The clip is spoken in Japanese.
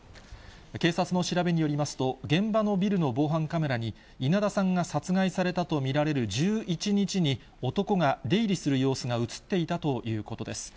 警察の調べによりますと、現場のビルの防犯カメラに、稲田さんが殺害されたと見られる１１日に、男が出入りする様子が写っていたということです。